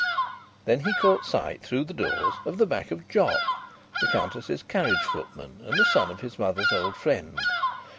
Then he caught sight, through the doors, of the back of Jock, the Countess's carriage footman and the son of his mother's old friend.